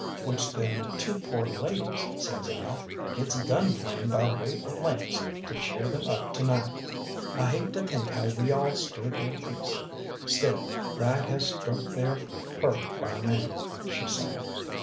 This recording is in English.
"Which them two pore ladies," says I, "gets gun flame by way of lamps to cheer them up to night." "I hate to think how we all stirred theyr peace. Still, Bryant has stroked theyr fur by now," she sighed.